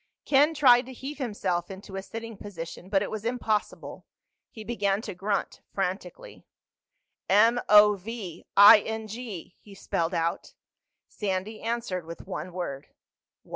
Ken tried to heave himself into a sitting position, but it was impossible. He began to grunt frantically. "M O V I N G," he spelled out. Sandy answered with one word.